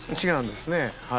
違うんですね。